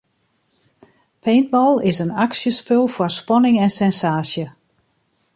Paintball is in aksjespul fol spanning en sensaasje.